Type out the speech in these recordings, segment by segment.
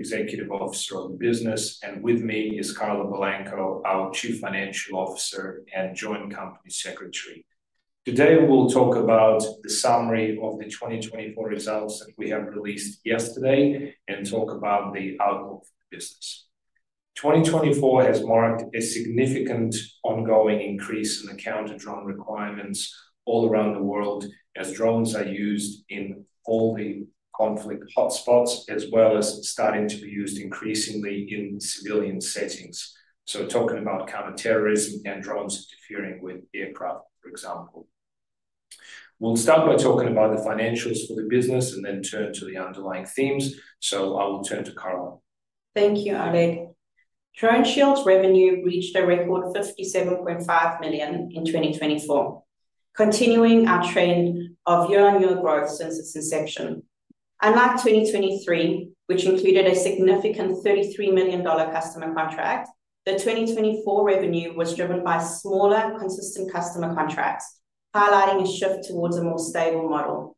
Executive Officer of the business, and with me is Carla Balanco, our Chief Financial Officer and Joint Company Secretary. Today, we'll talk about the summary of the 2024 results that we have released yesterday and talk about the outlook for the business. 2024 has marked a significant ongoing increase in the counter-drone requirements all around the world, as drones are used in all the conflict hotspots, as well as starting to be used increasingly in civilian settings. So, talking about counter-terrorism and drones interfering with aircraft, for example. We'll start by talking about the financials for the business and then turn to the underlying themes. So, I will turn to Carla. Thank you, Oleg. DroneShield's revenue reached a record 57.5 million in 2024, continuing our trend of year-on-year growth since its inception. Unlike 2023, which included a significant 33 million dollar customer contract, the 2024 revenue was driven by smaller, consistent customer contracts, highlighting a shift towards a more stable model.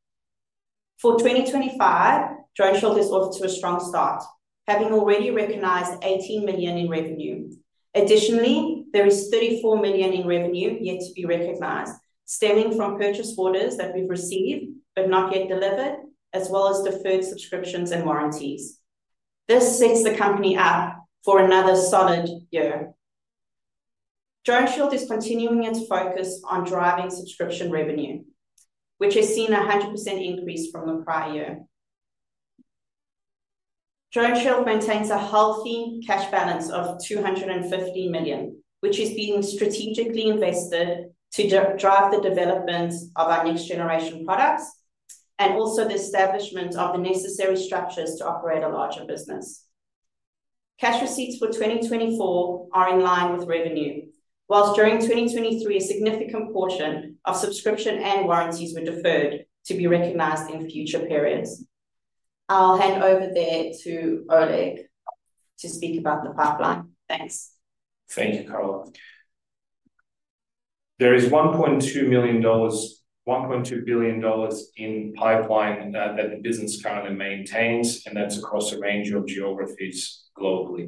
For 2025, DroneShield is off to a strong start, having already recognized 18 million in revenue. Additionally, there is 34 million in revenue yet to be recognized, stemming from purchase orders that we've received but not yet delivered, as well as deferred subscriptions and warranties. This sets the company up for another solid year. DroneShield is continuing its focus on driving subscription revenue, which has seen a 100% increase from the prior-year. DroneShield maintains a healthy cash balance of 250 million, which is being strategically invested to drive the development of our next-generation products and also the establishment of the necessary structures to operate a larger business. Cash receipts for 2024 are in line with revenue, while during 2023, a significant portion of subscription and warranties were deferred to be recognized in future periods. I'll hand over there to Oleg to speak about the pipeline. Thanks. Thank you, Carla. There is 1.2 billion dollars in pipeline that the business currently maintains, and that's across a range of geographies globally.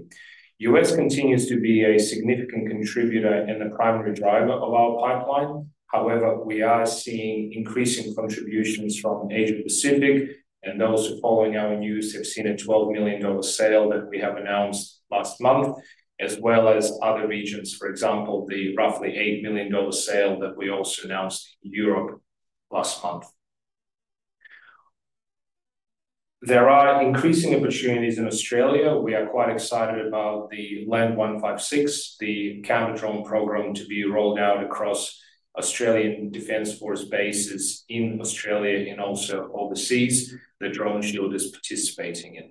The U.S. continues to be a significant contributor and a primary driver of our pipeline. However, we are seeing increasing contributions from Asia-Pacific, and those following our news have seen a 12 million dollar sale that we have announced last month, as well as other regions, for example, the roughly 8 million dollar sale that we also announced in Europe last month. There are increasing opportunities in Australia. We are quite excited about the LAND 156, the Counter-Drone program to be rolled out across Australian Defence Force bases in Australia and also overseas that DroneShield is participating in.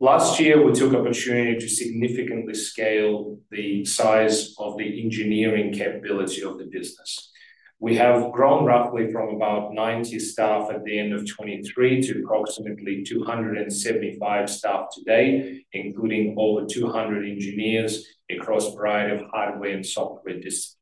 Last year, we took opportunity to significantly scale the size of the engineering capability of the business. We have grown roughly from about 90 staff at the end of 2023 to approximately 275 staff today, including over 200 engineers across a variety of hardware and software disciplines.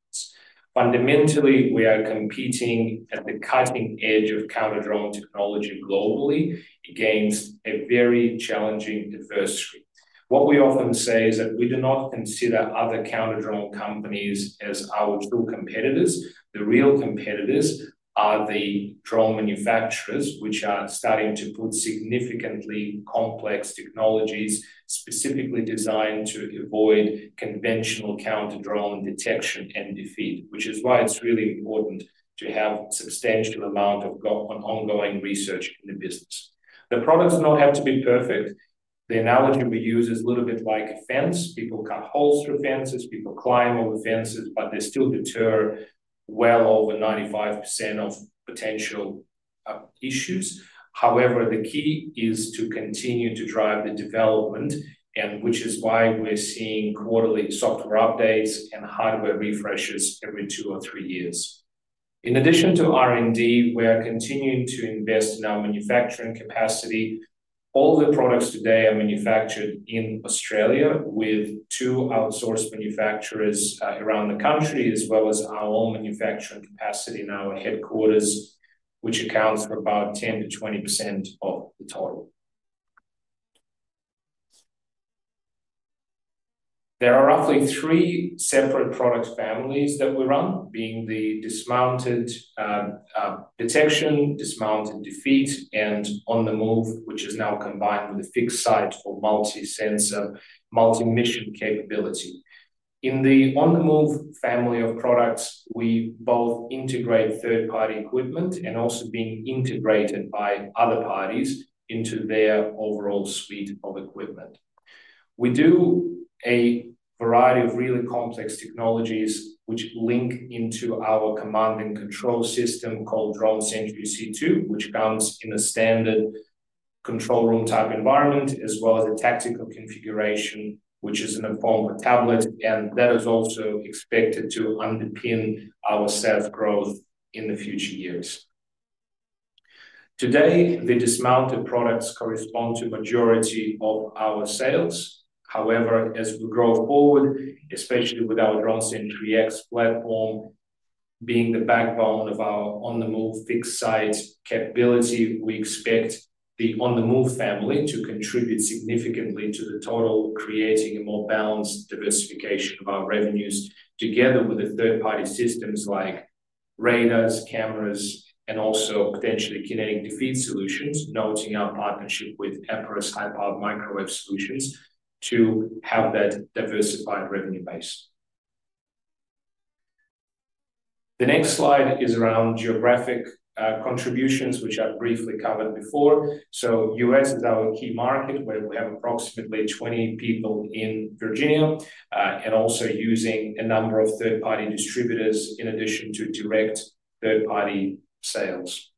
Fundamentally, we are competing at the cutting edge of Counter-Drone technology globally against a very challenging adversary. What we often say is that we do not consider other Counter-Drone companies as our true competitors. The real competitors are the drone manufacturers, which are starting to put significantly complex technologies specifically designed to avoid conventional Counter-Drone detection and defeat, which is why it's really important to have a substantial amount of ongoing research in the business. The product does not have to be perfect. The analogy we use is a little bit like a fence. People cut holes through fences. People climb over fences, but they still deter well over 95% of potential issues. However, the key is to continue to drive the development, which is why we're seeing quarterly software updates and hardware refreshes every two or three years. In addition to R&D, we are continuing to invest in our manufacturing capacity. All the products today are manufactured in Australia with two outsourced manufacturers around the country, as well as our own manufacturing capacity in our headquarters, which accounts for about 10%-20% of the total. There are roughly three separate product families that we run, being the dismounted detection, dismounted defeat, and on the move, which is now combined with a fixed site or multi-sensor, multi-mission capability. In the on the move family of products, we both integrate third-party equipment and also being integrated by other parties into their overall suite of equipment. We do a variety of really complex technologies, which link into our command and control system called DroneSentry-C2, which comes in a standard control room type environment, as well as a tactical configuration, which is in the form of a tablet, and that is also expected to underpin our SaaS growth in the future years. Today, the dismounted products correspond to the majority of our sales. However, as we grow forward, especially with our DroneSentry-X platform being the backbone of our on the move fixed site capability, we expect the on the move family to contribute significantly to the total, creating a more balanced diversification of our revenues, together with third-party systems like radars, cameras, and also potentially kinetic defeat solutions, noting our partnership with Epirus high-power microwave solutions to have that diversified revenue base. The next slide is around geographic contributions, which I've briefly covered before. The U.S. is our key market, where we have approximately 20 people in Virginia and also using a number of third-party distributors in addition to direct third-party sales.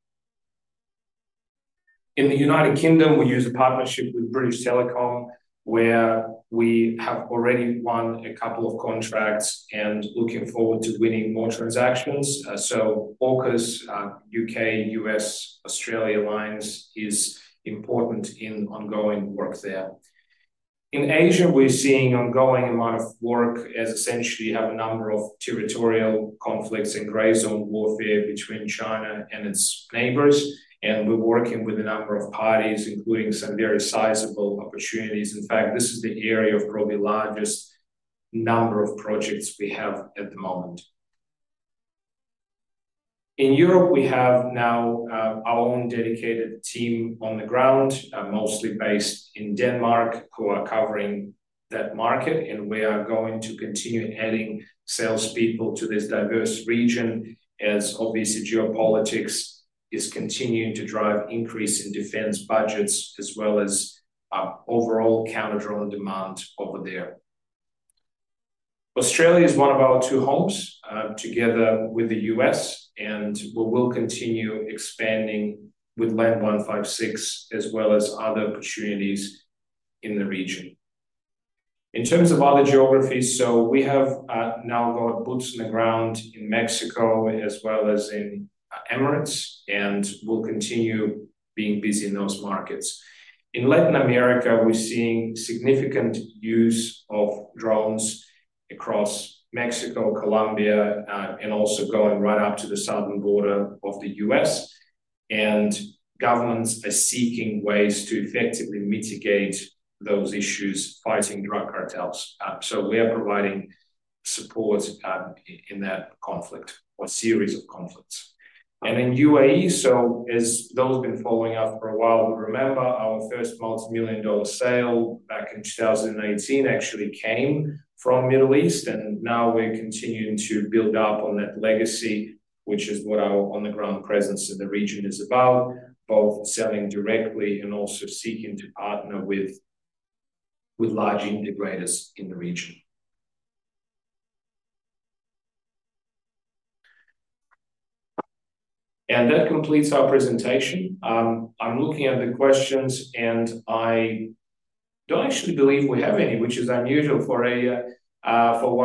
In the United Kingdom, we use a partnership with British Telecom, where we have already won a couple of contracts and are looking forward to winning more transactions. AUKUS, U.K., U.S., Australia alliance is important in ongoing work there. In Asia, we're seeing an ongoing amount of work as essentially we have a number of territorial conflicts and gray zone warfare between China and its neighbors, and we're working with a number of parties, including some very sizable opportunities. In fact, this is the area of probably the largest number of projects we have at the moment. In Europe, we have now our own dedicated team on the ground, mostly based in Denmark, who are covering that market, and we are going to continue adding salespeople to this diverse region as, obviously, geopolitics is continuing to drive an increase in defense budgets, as well as overall Counter-Drone demand over there. Australia is one of our two homes, together with the U.S., and we will continue expanding with LAND 156, as well as other opportunities in the region. In terms of other geographies, so we have now got boots on the ground in Mexico, as well as in the Emirates, and we'll continue being busy in those markets. In Latin America, we're seeing significant use of drones across Mexico, Colombia, and also going right up to the southern border of the U.S., and governments are seeking ways to effectively mitigate those issues fighting drug cartels. So, we are providing support in that conflict or series of conflicts. And in the UAE, so as those have been following us for a while, remember our first multi-million-dollar sale back in 2018 actually came from the Middle East, and now we're continuing to build up on that legacy, which is what our on-the-ground presence in the region is about, both selling directly and also seeking to partner with large integrators in the region. And that completes our presentation. I'm looking at the questions, and I don't actually believe we have any, which is unusual for one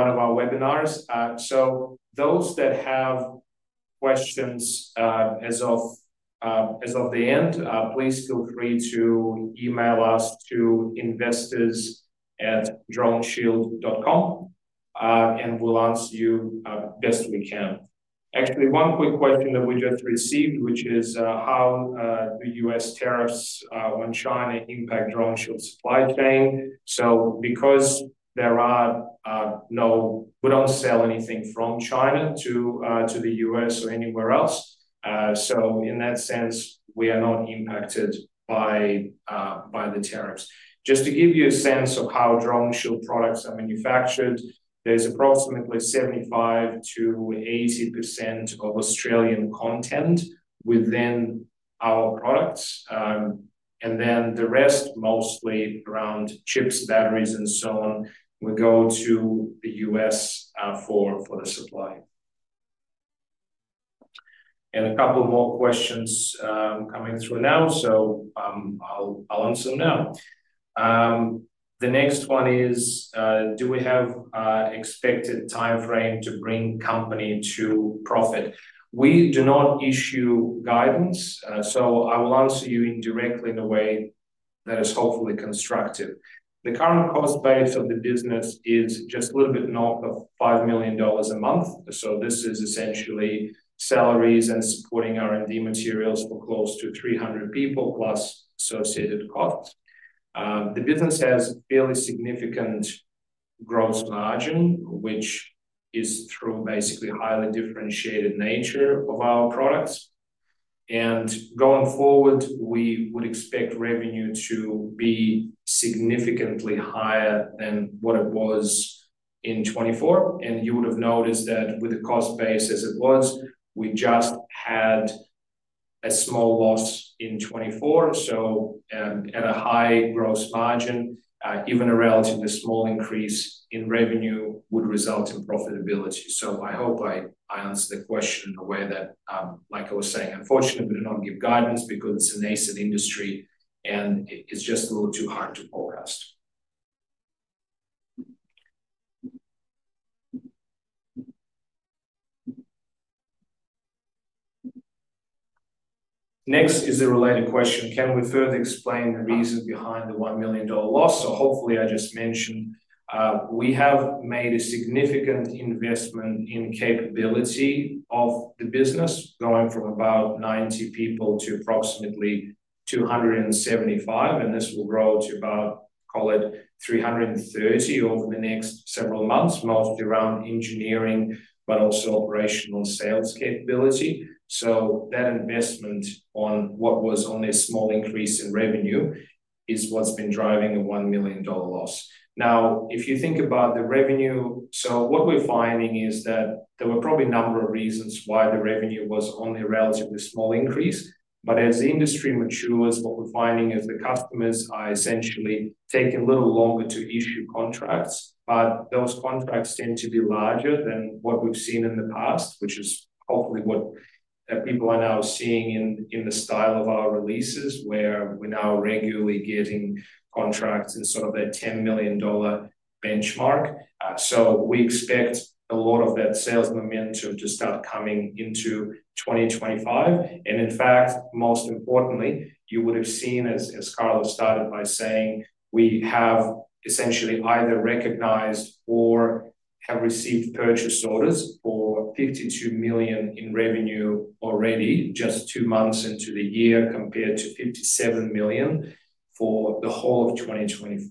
of our webinars. So, those that have questions as of the end, please feel free to email us to investors@droneshield.com, and we'll answer you best we can. Actually, one quick question that we just received, which is how do U.S. tariffs on China impact DroneShield supply chain? So, because there are no, we don't sell anything from China to the U.S. or anywhere else, so in that sense, we are not impacted by the tariffs. Just to give you a sense of how DroneShield products are manufactured, there's approximately 75%-80% of Australian content within our products, and then the rest mostly around chips, batteries, and so on. We go to the U.S. for the supply. And a couple more questions coming through now, so I'll answer them now. The next one is, do we have an expected timeframe to bring the company to profit? We do not issue guidance, so I will answer you indirectly in a way that is hopefully constructive. The current cost base of the business is just a little bit north of 5 million dollars a month, so this is essentially salaries and supporting R&D materials for close to 300 people, plus associated costs. The business has fairly significant gross margin, which is through basically a highly differentiated nature of our products, and going forward, we would expect revenue to be significantly higher than what it was in 2024, and you would have noticed that with the cost base as it was, we just had a small loss in 2024, so at a high gross margin, even a relatively small increase in revenue would result in profitability. I hope I answered the question in a way that, like I was saying, unfortunately, we do not give guidance because it's a nascent industry, and it's just a little too hard to forecast. Next is a related question. Can we further explain the reason behind the 1 million dollar loss? So, hopefully, I just mentioned we have made a significant investment in the capability of the business, going from about 90 people to approximately 275, and this will grow to about, call it 330 over the next several months, mostly around engineering, but also operational sales capability. So, that investment on what was only a small increase in revenue is what's been driving the 1 million dollar loss. Now, if you think about the revenue, so what we're finding is that there were probably a number of reasons why the revenue was only a relatively small increase, but as the industry matures, what we're finding is the customers are essentially taking a little longer to issue contracts, but those contracts tend to be larger than what we've seen in the past, which is hopefully what people are now seeing in the style of our releases, where we're now regularly getting contracts in sort of that 10 million dollar benchmark, so we expect a lot of that sales momentum to start coming into 2025, and in fact, most importantly, you would have seen, as Carla started by saying, we have essentially either recognized or have received purchase orders for 52 million in revenue already, just two months into the year, compared to 57 million for the whole of 2024.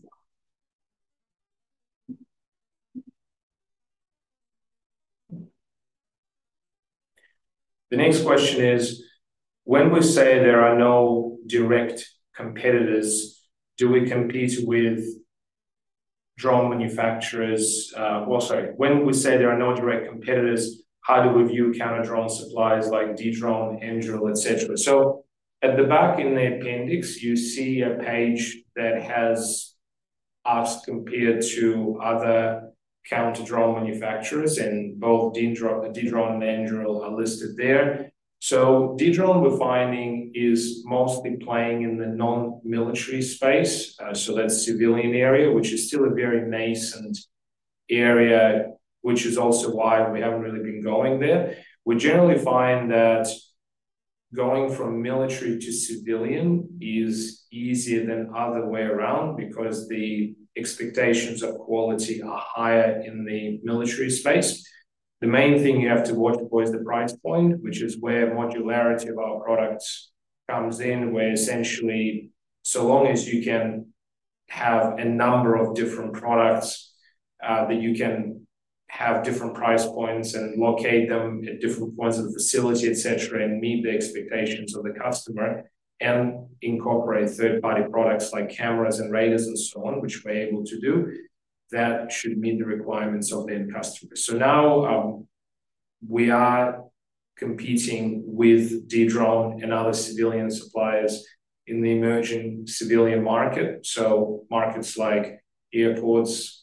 The next question is, when we say there are no direct competitors, do we compete with drone manufacturers? Well, sorry, when we say there are no direct competitors, how do we view Counter-Drone suppliers like Dedrone, Anduril, etc.? So, at the back in the appendix, you see a page that has us compared to other Counter-Drone manufacturers, and both Dedrone and Anduril are listed there. So, Dedrone, we're finding, is mostly playing in the non-military space, so that's the civilian area, which is still a very nascent area, which is also why we haven't really been going there. We generally find that going from military to civilian is easier than the other way around because the expectations of quality are higher in the military space. The main thing you have to watch for is the price point, which is where modularity of our products comes in, where essentially, so long as you can have a number of different products, that you can have different price points and locate them at different points of the facility, etc., and meet the expectations of the customer and incorporate third-party products like cameras and radars and so on, which we're able to do, that should meet the requirements of the end customers. Now we are competing with Dedrone and other civilian suppliers in the emerging civilian market, so markets like airports,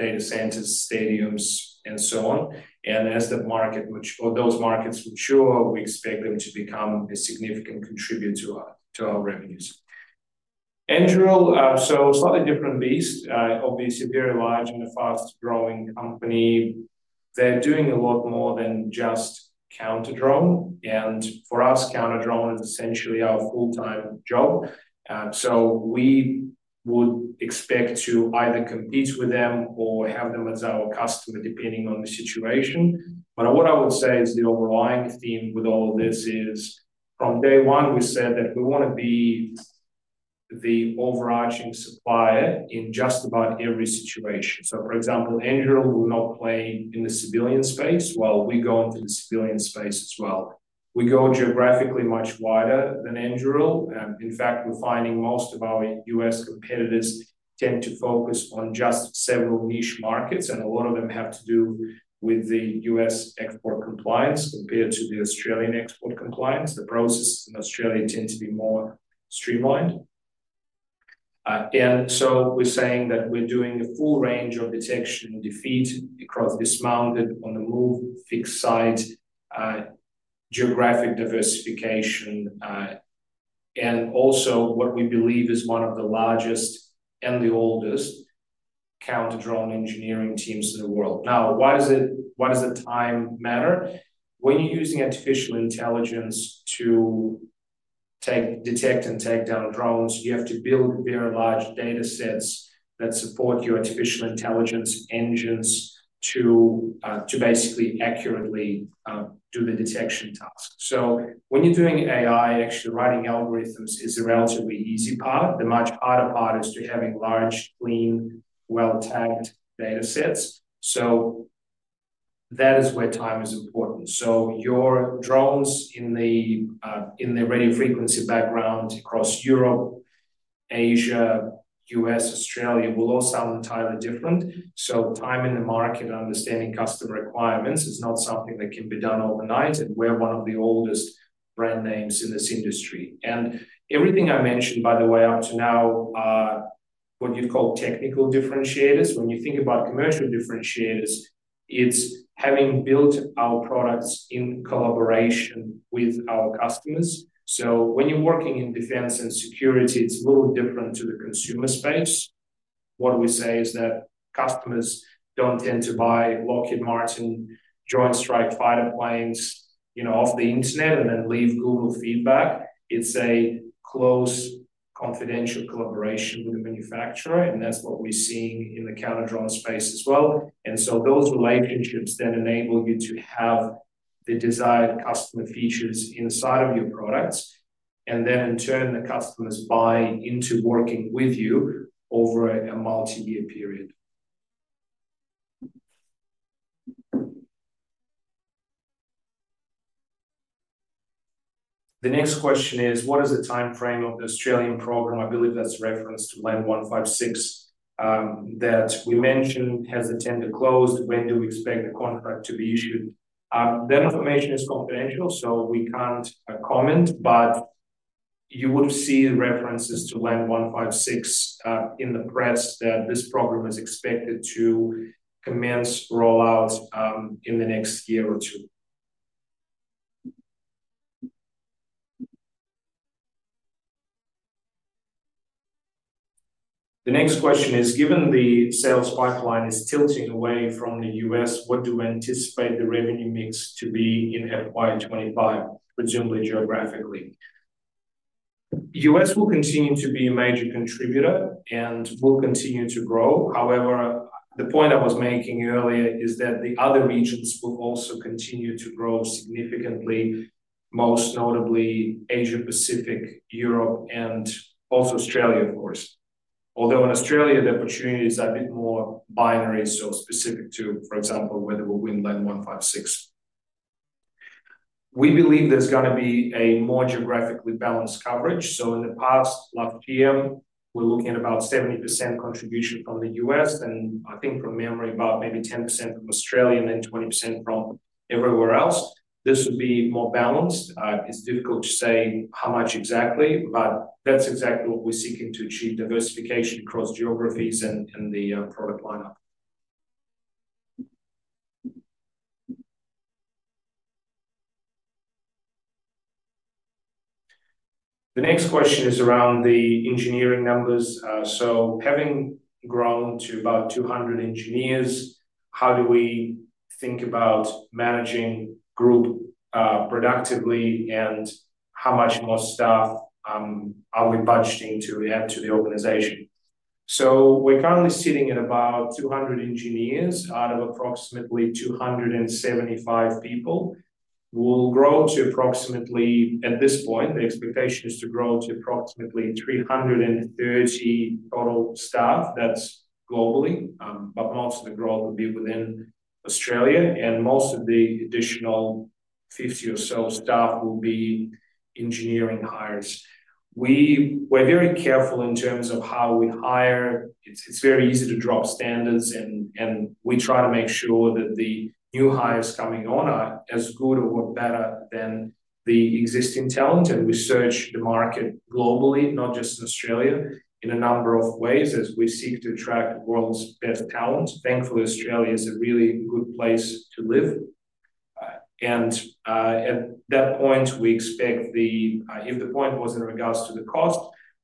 data centers, stadiums, and so on. That market, or those markets mature, we expect them to become a significant contributor to our revenues. Anduril, so a slightly different beast, obviously a very large and a fast-growing company. They're doing a lot more than just Counter-Drone, and for us, Counter-Drone is essentially our full-time job, so we would expect to either compete with them or have them as our customer, depending on the situation, but what I would say is the overlying theme with all of this is, from day one, we said that we want to be the overarching supplier in just about every situation, so, for example, Anduril will not play in the civilian space while we go into the civilian space as well. We go geographically much wider than Anduril. In fact, we're finding most of our U.S. competitors tend to focus on just several niche markets, and a lot of them have to do with the U.S. export compliance compared to the Australian export compliance. The processes in Australia tend to be more streamlined. And so we're saying that we're doing a full range of detection and defeat across dismounted, on-the-move, fixed site, geographic diversification, and also what we believe is one of the largest and the oldest Counter-Drone engineering teams in the world. Now, why does the time matter? When you're using artificial intelligence to detect and take down drones, you have to build very large data sets that support your artificial intelligence engines to basically accurately do the detection task. So when you're doing AI, actually writing algorithms is a relatively easy part. The much harder part is to have large, clean, well-tagged data sets. So that is where time is important. So your drones in the radio frequency background across Europe, Asia, U.S., Australia will all sound entirely different. Time in the market and understanding customer requirements is not something that can be done overnight, and we're one of the oldest brand names in this industry. And everything I mentioned, by the way, up to now, what you'd call technical differentiators. When you think about commercial differentiators, it's having built our products in collaboration with our customers. So when you're working in defense and security, it's a little different to the consumer space. What we say is that customers don't tend to buy Lockheed Martin Joint Strike Fighter planes off the internet and then leave Google feedback. It's a close, confidential collaboration with the manufacturer, and that's what we're seeing in the Counter-Drone space as well. And so those relationships then enable you to have the desired customer features inside of your products, and then in turn, the customers buy into working with you over a multi-year period. The next question is, what is the timeframe of the Australian program? I believe that's referenced to LAND 156 that we mentioned has the tender closed. When do we expect the contract to be issued? That information is confidential, so we can't comment, but you would see references to LAND 156 in the press that this program is expected to commence rollout in the next year or two. The next question is, given the sales pipeline is tilting away from the U.S., what do we anticipate the revenue mix to be in FY 2025, presumably geographically? U.S. will continue to be a major contributor and will continue to grow. However, the point I was making earlier is that the other regions will also continue to grow significantly, most notably Asia-Pacific, Europe, and also Australia, of course. Although in Australia, the opportunities are a bit more binary, so specific to, for example, whether we're going to LAND 156. We believe there's going to be a more geographically balanced coverage. So in the past, last year, we're looking at about 70% contribution from the U.S., and I think from memory about maybe 10% from Australia and then 20% from everywhere else. This would be more balanced. It's difficult to say how much exactly, but that's exactly what we're seeking to achieve: diversification across geographies and the product lineup. The next question is around the engineering numbers. So having grown to about 200 engineers, how do we think about managing group productively and how much more staff are we budgeting to add to the organization? So we're currently sitting at about 200 engineers out of approximately 275 people. We'll grow to approximately, at this point, the expectation is to grow to approximately 330 total staff. That's globally, but most of the growth will be within Australia, and most of the additional 50 or so staff will be engineering hires. We're very careful in terms of how we hire. It's very easy to drop standards, and we try to make sure that the new hires coming on are as good or better than the existing talent. And we search the market globally, not just in Australia, in a number of ways as we seek to attract the world's best talent. Thankfully, Australia is a really good place to live. At that point, we expect if the point was in regards to the cost,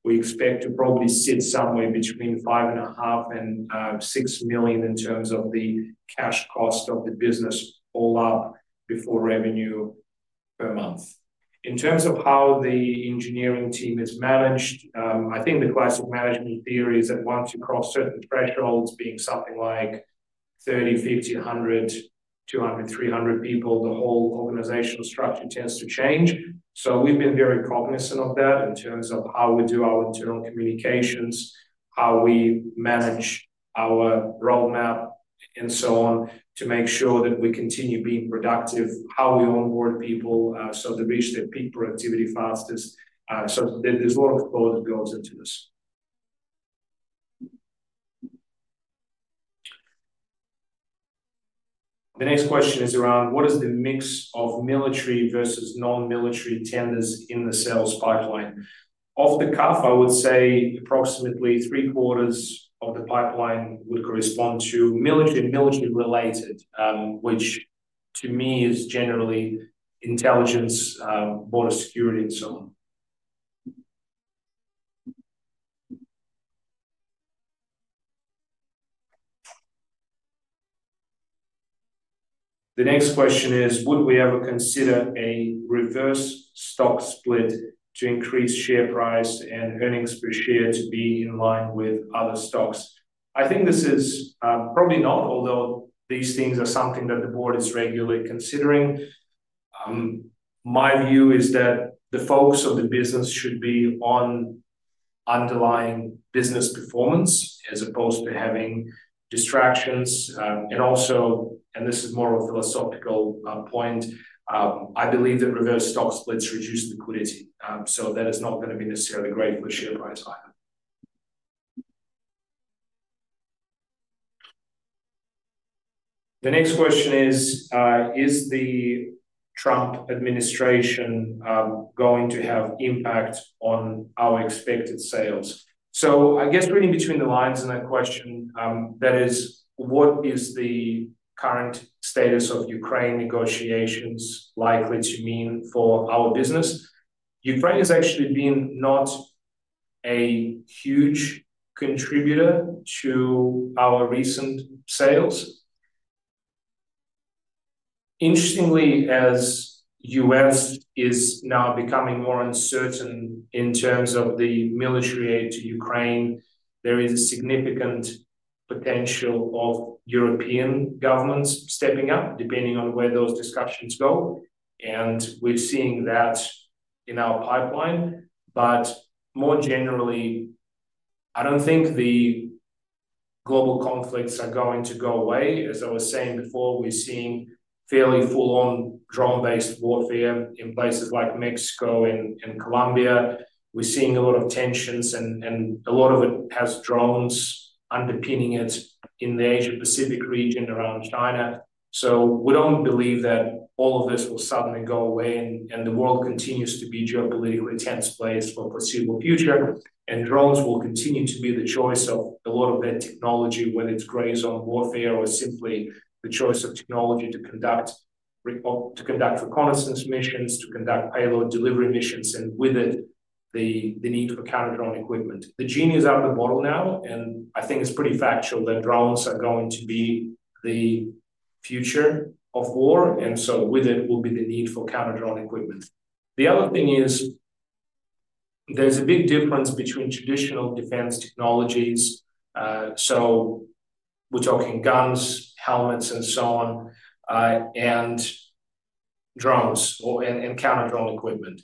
we expect to probably sit somewhere between 5.5 million and 6 million in terms of the cash cost of the business all up before revenue per month. In terms of how the engineering team is managed, I think the classic management theory is that once you cross certain thresholds, being something like 30, 50, 100, 200, 300 people, the whole organizational structure tends to change. So we've been very cognizant of that in terms of how we do our internal communications, how we manage our roadmap, and so on, to make sure that we continue being productive, how we onboard people so they reach their peak productivity fastest. So there's a lot of thought that goes into this. The next question is around what is the mix of military versus non-military tenders in the sales pipeline? Off the cuff, I would say approximately three-quarters of the pipeline would correspond to military and military-related, which to me is generally intelligence, border security, and so on. The next question is, would we ever consider a reverse stock split to increase share price and earnings per share to be in line with other stocks? I think this is probably not, although these things are something that the board is regularly considering. My view is that the focus of the business should be on underlying business performance as opposed to having distractions, and also, this is more of a philosophical point, I believe that reverse stock splits reduce liquidity, so that is not going to be necessarily great for share price either. The next question is, is the Trump administration going to have impact on our expected sales? So I guess reading between the lines in that question, that is, what is the current status of Ukraine negotiations likely to mean for our business? Ukraine has actually been not a huge contributor to our recent sales. Interestingly, as U.S. is now becoming more uncertain in terms of the military aid to Ukraine, there is a significant potential of European governments stepping up, depending on where those discussions go. And we're seeing that in our pipeline. But more generally, I don't think the global conflicts are going to go away. As I was saying before, we're seeing fairly full-on drone-based warfare in places like Mexico and Colombia. We're seeing a lot of tensions, and a lot of it has drones underpinning it in the Asia-Pacific region around China. We don't believe that all of this will suddenly go away, and the world continues to be a geopolitically tense place for a foreseeable future. Drones will continue to be the choice of a lot of that technology, whether it's gray zone warfare or simply the choice of technology to conduct reconnaissance missions, to conduct payload delivery missions, and with it, the need for Counter-Drone equipment. The genie is out of the bottle now, and I think it's pretty factual that drones are going to be the future of war. With it will be the need for Counter-Drone equipment. The other thing is there's a big difference between traditional defense technologies. We're talking guns, helmets, and so on, and drones and Counter-Drone equipment.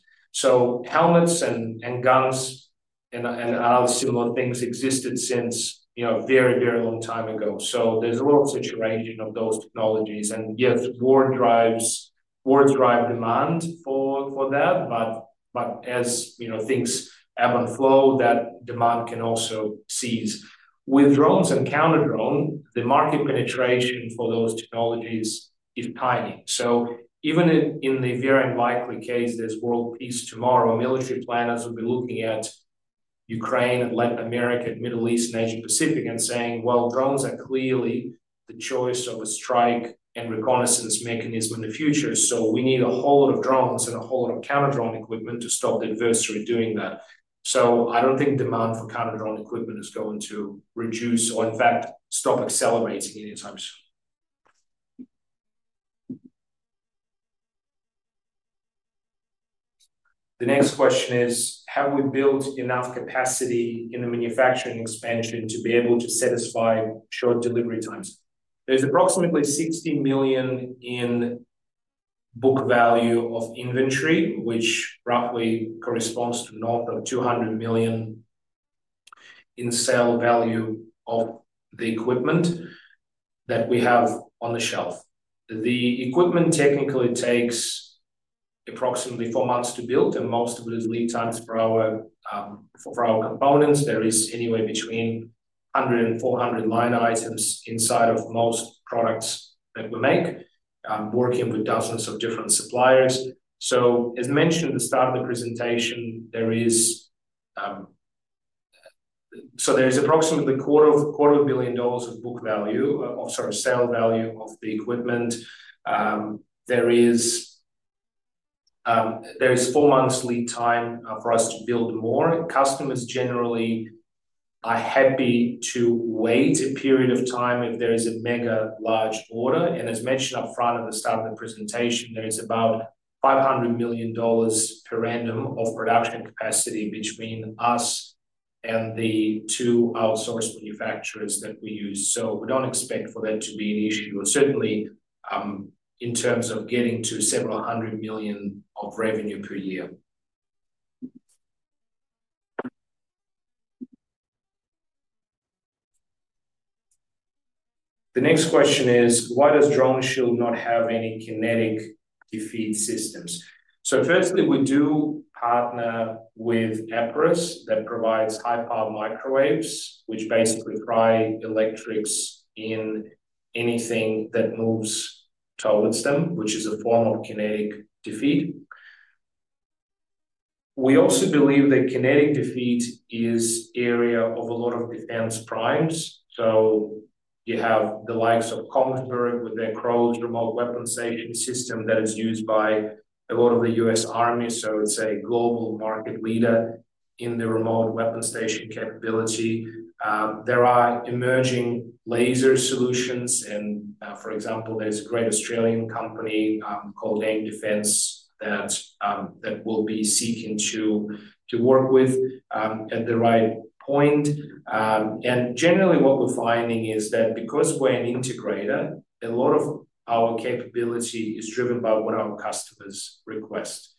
Helmets and guns and other similar things existed since a very, very long time ago. So there's a lot of situation of those technologies, and yes, war drives demand for that. But as things ebb and flow, that demand can also cease. With drones and Counter-Drone, the market penetration for those technologies is tiny. So even in the very unlikely case there's world peace tomorrow, military planners will be looking at Ukraine and Latin America and Middle East and Asia-Pacific and saying, "Well, drones are clearly the choice of a strike and reconnaissance mechanism in the future. So we need a whole lot of drones and a whole lot of Counter-Drone equipment to stop the adversary doing that." So I don't think demand for Counter-Drone equipment is going to reduce or, in fact, stop accelerating anytime. The next question is, have we built enough capacity in the manufacturing expansion to be able to satisfy short delivery times? There's approximately 60 million in book value of inventory, which roughly corresponds to north of 200 million in sale value of the equipment that we have on the shelf. The equipment technically takes approximately four months to build, and most of it is lead times per hour for our components. There is anywhere between 100 and 400 line items inside of most products that we make, working with dozens of different suppliers. So as mentioned at the start of the presentation, there is approximately 250 million dollars of book value, sorry, sale value of the equipment. There is four months lead time for us to build more. Customers generally are happy to wait a period of time if there is a mega large order. As mentioned up front at the start of the presentation, there is about 500 million dollars per annum of production capacity between us and the two outsourced manufacturers that we use. We don't expect for that to be an issue, certainly in terms of getting to several hundred million of revenue per year. The next question is, why does DroneShield not have any kinetic defeat systems? Firstly, we do partner with Epirus that provides high-powered microwaves, which basically fry electrics in anything that moves towards them, which is a form of kinetic defeat. We also believe that kinetic defeat is an area of a lot of defense primes. You have the likes of Kongsberg with their CROWS remote weapon station system that is used by a lot of the U.S. Army. It is a global market leader in the remote weapon station capability. There are emerging laser solutions. And for example, there's a great Australian company called AIM Defence that we'll be seeking to work with at the right point. And generally, what we're finding is that because we're an integrator, a lot of our capability is driven by what our customers request.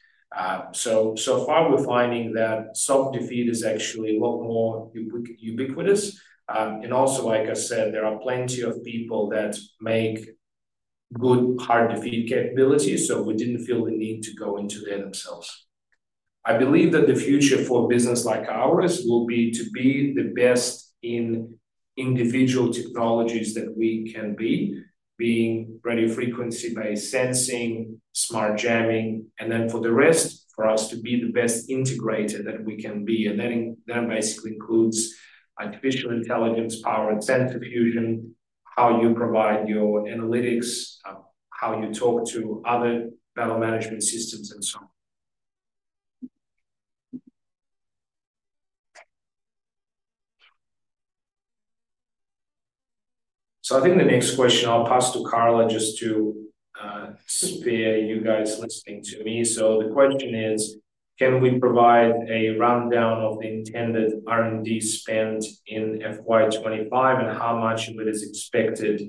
So far, we're finding that soft defeat is actually a lot more ubiquitous. And also, like I said, there are plenty of people that make good hard defeat capabilities, so we didn't feel the need to go into them themselves. I believe that the future for a business like ours will be to be the best in individual technologies that we can be, being radio frequency-based sensing, smart jamming, and then for the rest, for us to be the best integrator that we can be. That basically includes artificial intelligence, power and sensor fusion, how you provide your analytics, how you talk to other battle management systems, and so on. I think the next question I'll pass to Carla just to see if you guys are listening to me. The question is, can we provide a rundown of the intended R&D spent in FY 2025 and how much of it is expected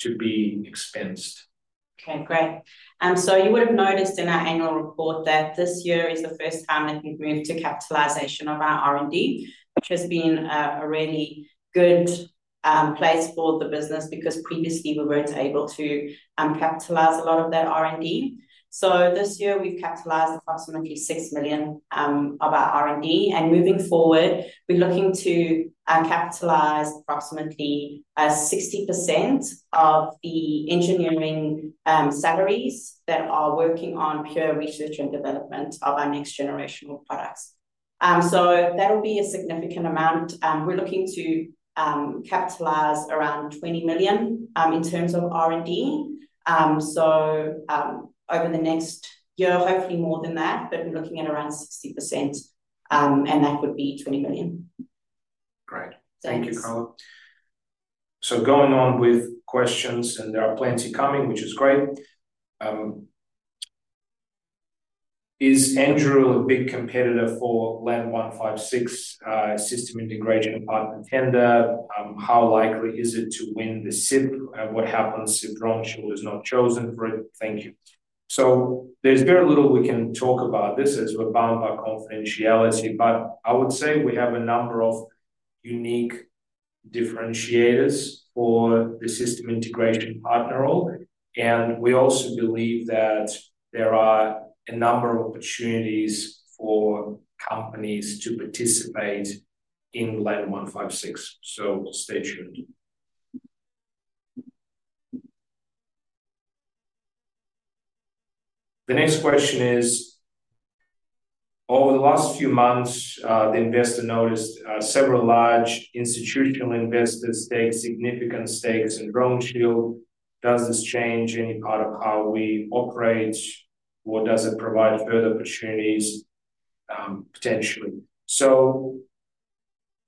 to be expensed? Okay, great. You would have noticed in our annual report that this year is the first time that we've moved to capitalization of our R&D, which has been a really good place for the business because previously we weren't able to capitalize a lot of that R&D. This year, we've capitalized approximately 6 million of our R&D. Moving forward, we're looking to capitalize approximately 60% of the engineering salaries that are working on pure research and development of our next generation of products. So that will be a significant amount. We're looking to capitalize around 20 million in terms of R&D. So over the next year, hopefully more than that, but we're looking at around 60%, and that would be 20 million. Great. Thank you, Carla. Going on with questions, and there are plenty coming, which is great. Is Anduril a big competitor for LAND 156 system integration partner tender? How likely is it to win the SIP? What happens if DroneShield is not chosen for it? Thank you. There's very little we can talk about this as we're bound by confidentiality. But I would say we have a number of unique differentiators for the system integration partner role. We also believe that there are a number of opportunities for companies to participate in LAND 156. So stay tuned. The next question is, over the last few months, the investor noticed several large institutional investors take significant stakes in DroneShield. Does this change any part of how we operate, or does it provide further opportunities potentially? So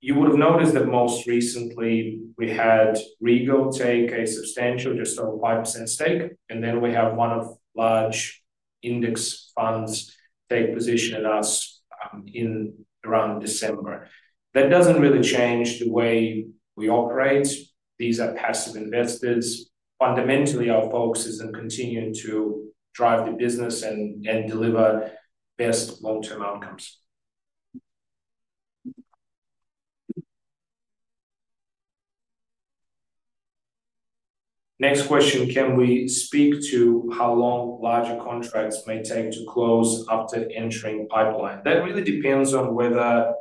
you would have noticed that most recently, we had Regal take a substantial just over 5% stake, and then we have one of large index funds take position in us in around December. That doesn't really change the way we operate. These are passive investors. Fundamentally, our focus is on continuing to drive the business and deliver best long-term outcomes. Next question, can we speak to how long larger contracts may take to close after entering pipeline? That really depends on whether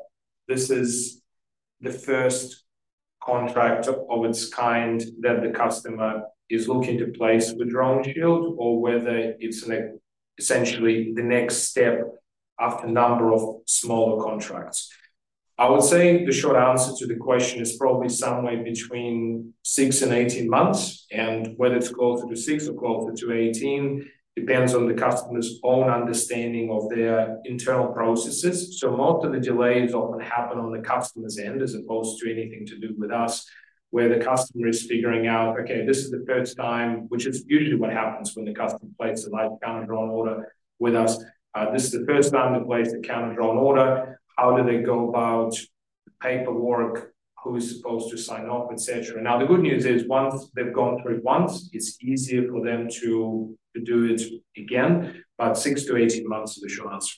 this is the first contract of its kind that the customer is looking to place with DroneShield or whether it's essentially the next step after a number of smaller contracts. I would say the short answer to the question is probably somewhere between six and 18 months. And whether it's closer to six or closer to 18 depends on the customer's own understanding of their internal processes. So most of the delays often happen on the customer's end as opposed to anything to do with us, where the customer is figuring out, "Okay, this is the first time," which is usually what happens when the customer places a Counter-Drone order with us. This is the first time they place a Counter-Drone order. How do they go about the paperwork? Who is supposed to sign off, etc.? Now, the good news is once they've gone through it once, it's easier for them to do it again. But 6 to 18 months is a short answer.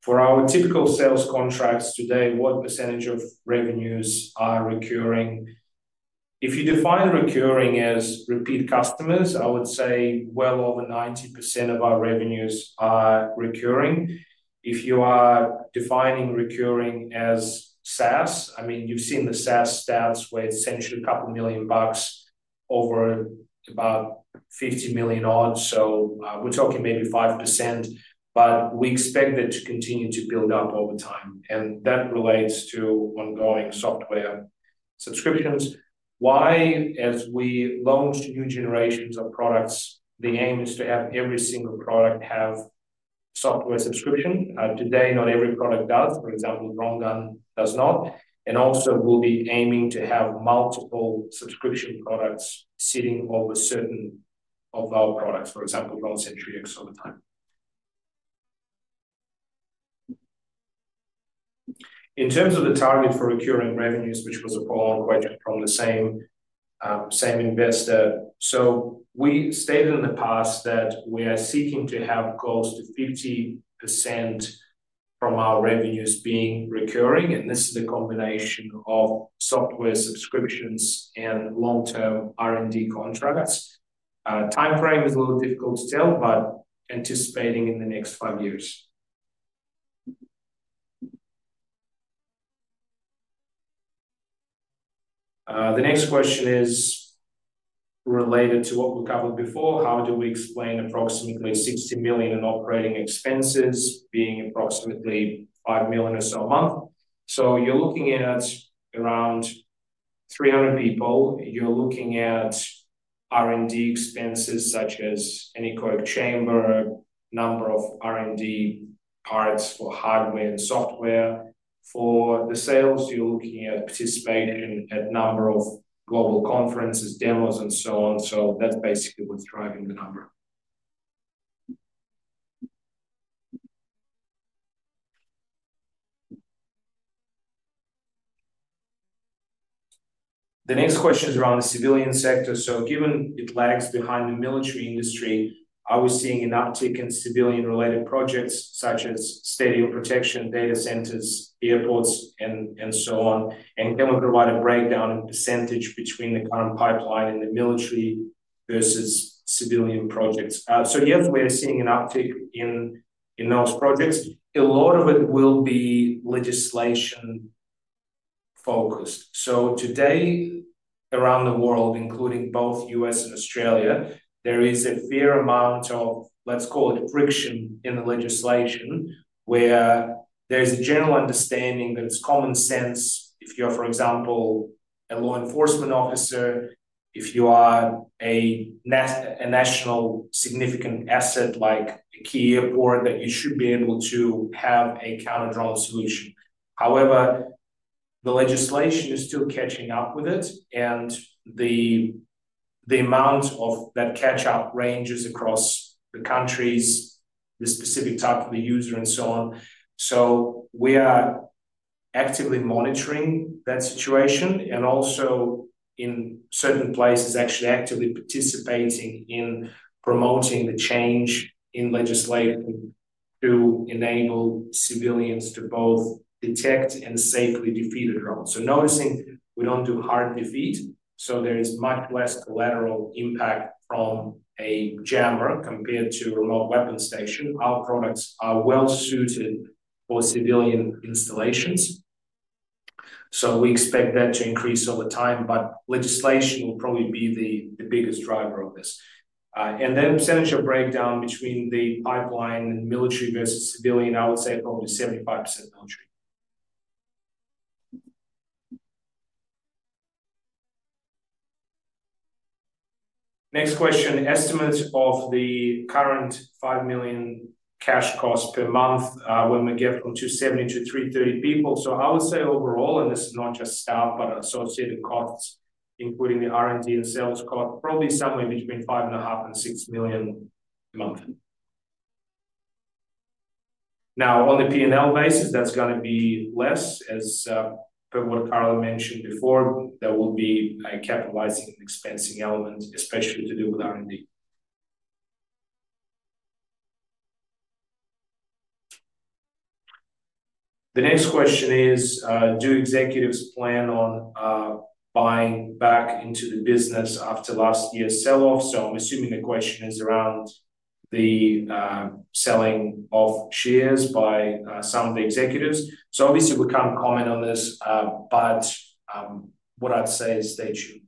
For our typical sales contracts today, what percentage of revenues are recurring? If you define recurring as repeat customers, I would say well over 90% of our revenues are recurring. If you are defining recurring as SaaS, I mean, you've seen the SaaS stats where it's essentially 2 million bucks over about 50 million. So we're talking maybe 5%, but we expect that to continue to build up over time. And that relates to ongoing software subscriptions. Why? As we launch new generations of products, the aim is to have every single product have software subscription. Today, not every product does. For example, DroneGun does not. We'll be aiming to have multiple subscription products sitting over certain of our products, for example, DroneSentry over time. In terms of the target for recurring revenues, which was a follow-on question from the same investor, we stated in the past that we are seeking to have close to 50% from our revenues being recurring. This is a combination of software subscriptions and long-term R&D contracts. Timeframe is a little difficult to tell, but anticipating in the next five years. The next question is related to what we covered before. How do we explain approximately 60 million in operating expenses being approximately 5 million or so a month? You're looking at around 300 people. You're looking at R&D expenses such as anechoic chamber, number of R&D parts for hardware and software. For the sales, you're looking at participating in a number of global conferences, demos, and so on. So that's basically what's driving the number. The next question is around the civilian sector. So given it lags behind the military industry, are we seeing an uptick in civilian-related projects such as state of protection, data centers, airports, and so on? And can we provide a breakdown in % between the current pipeline and the military versus civilian projects? So yes, we are seeing an uptick in those projects. A lot of it will be legislation-focused. So today, around the world, including both U.S. and Australia, there is a fair amount of, let's call it, friction in the legislation where there's a general understanding that it's common sense. If you're, for example, a law enforcement officer, if you are a national significant asset like a key airport, that you should be able to have a Counter-Drone solution. However, the legislation is still catching up with it, and the amount of that catch-up ranges across the countries, the specific type of the user, and so on. So we are actively monitoring that situation and also in certain places actually actively participating in promoting the change in legislation to enable civilians to both detect and safely defeat a drone. So noticing we don't do hard defeat, so there is much less collateral impact from a jammer compared to a remote weapon station. Our products are well-suited for civilian installations. So we expect that to increase over time, but legislation will probably be the biggest driver of this. Then percentage of breakdown between the pipeline and military versus civilian, I would say probably 75% military. Next question, estimates of the current 5 million cash cost per month when we get up to 70 to 330 people. So I would say overall, and this is not just staff, but associated costs, including the R&D and sales cost, probably somewhere between 5.5 million and 6 million a month. Now, on the P&L basis, that's going to be less as what Carla mentioned before. There will be a capitalizing and expensing element, especially to do with R&D. The next question is, do executives plan on buying back into the business after last year's sell-off? So I'm assuming the question is around the selling of shares by some of the executives. So obviously, we can't comment on this, but what I'd say is stay tuned.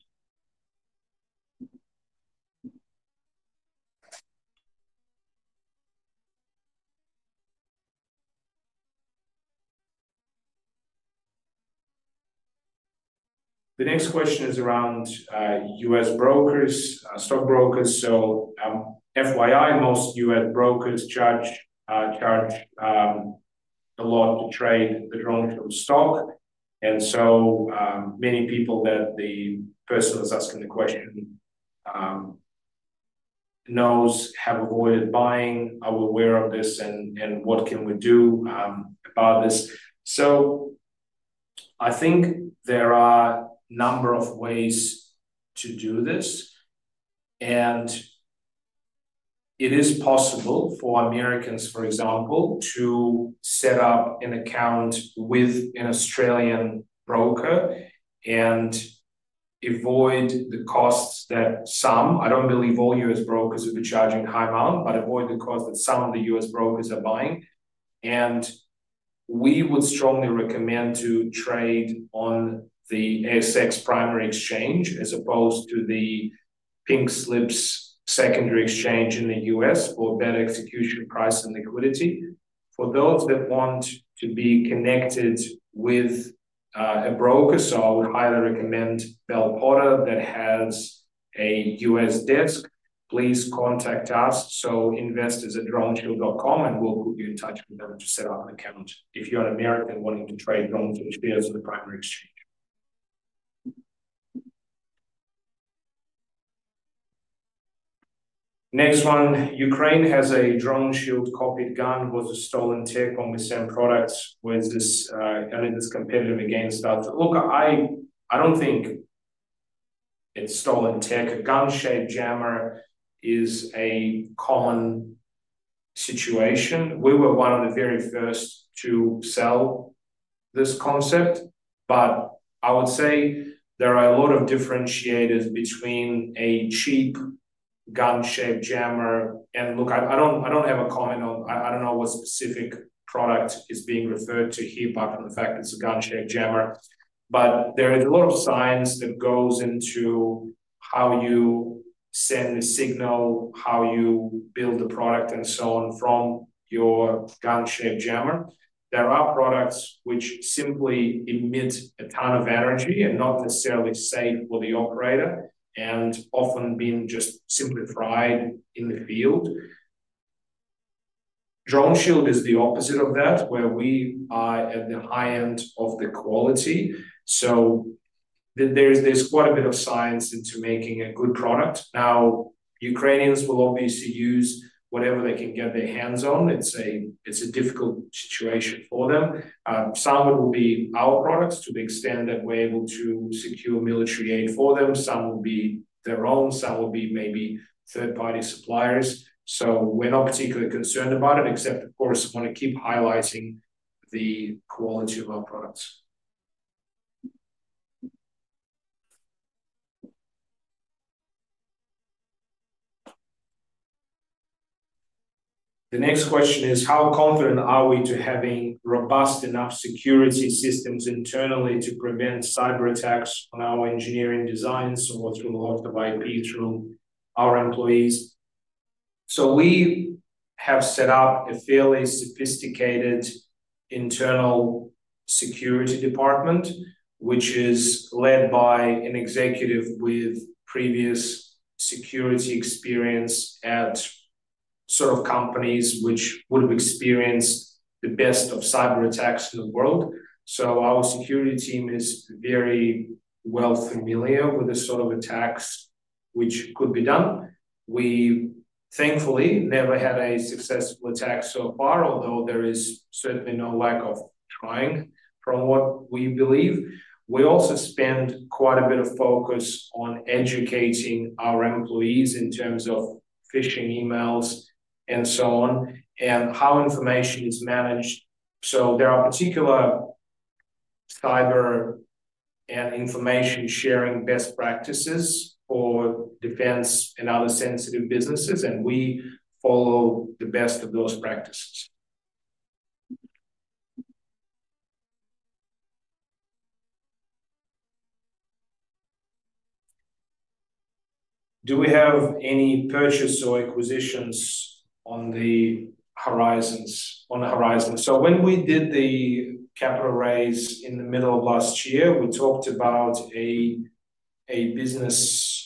The next question is around U.S. brokers, stock brokers. FYI, most U.S. brokers charge a lot to trade the DroneShield stock. And so many people that the person who's asking the question knows have avoided buying. Are we aware of this and what can we do about this? I think there are a number of ways to do this. It is possible for Americans, for example, to set up an account with an Australian broker and avoid the costs that some—I don't believe all U.S. brokers will be charging a high amount—but avoid the costs that some of the US brokers are charging. We would strongly recommend trade on the ASX primary exchange as opposed to the Pink Sheets secondary exchange in the U.S. for better execution, price, and liquidity. For those that want to be connected with a broker, so I would highly recommend Bell Potter that has a U.S. desk. Please contact us. So investors@droneshield.com, and we'll put you in touch with them to set up an account if you're an American wanting to trade drone shares on the primary exchange. Next one, Ukraine has a DroneShield copied gun. Was a stolen tech on the same products. Was this competitive against that? Look, I don't think it's stolen tech. A gun-shaped jammer is a common situation. We were one of the very first to sell this concept, but I would say there are a lot of differentiators between a cheap gun-shaped jammer and look, I don't have a comment on. I don't know what specific product is being referred to here by the fact it's a gun-shaped jammer. But there are a lot of signs that go into how you send the signal, how you build the product, and so on from your gun-shaped jammer. There are products which simply emit a ton of energy and not necessarily safe for the operator and often being just simply fried in the field. DroneShield is the opposite of that, where we are at the high end of the quality. So there's quite a bit of science into making a good product. Now, Ukrainians will obviously use whatever they can get their hands on. It's a difficult situation for them. Some of it will be our products to the extent that we're able to secure military aid for them. Some will be their own. Some will be maybe third-party suppliers. So we're not particularly concerned about it, except, of course, we want to keep highlighting the quality of our products. The next question is, how confident are we to having robust enough security systems internally to prevent cyberattacks on our engineering designs or through a lot of IP through our employees? So we have set up a fairly sophisticated internal security department, which is led by an executive with previous security experience at sort of companies which would have experienced the best of cyberattacks in the world. So our security team is very well familiar with the sort of attacks which could be done. We, thankfully, never had a successful attack so far, although there is certainly no lack of trying from what we believe. We also spend quite a bit of focus on educating our employees in terms of phishing emails and so on and how information is managed. So there are particular cyber and information sharing best practices for defense and other sensitive businesses, and we follow the best of those practices. Do we have any purchase or acquisitions on the horizons? So when we did the capital raise in the middle of last year, we talked about a business